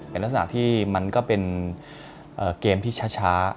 เป็นลักษณะที่มันก็เป็นเกมที่ช้า